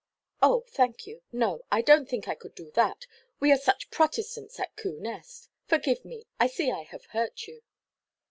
"Oh, thank you. No; I donʼt think I could do that. We are such Protestants at Coo Nest. Forgive me, I see I have hurt you."